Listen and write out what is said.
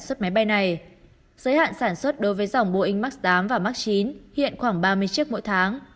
xuất máy bay này giới hạn sản xuất đối với dòng boeing max tám và mark chín hiện khoảng ba mươi chiếc mỗi tháng